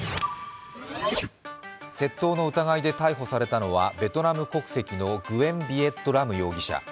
窃盗の疑いで逮捕されたのはベトナム国籍のグェン・ヴィエット・ラム容疑者。